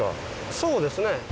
そうですね。